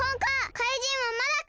かいじんはまだか！